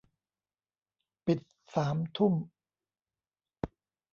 ปิดสามทุ่ม